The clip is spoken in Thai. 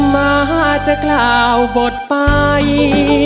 มาจะกล่าวบทไป